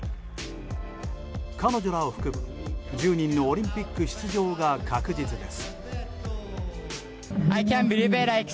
彼女らを含む１０人のオリンピック出場が確実です。